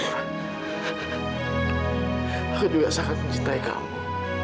aku juga sangat mencintai kamu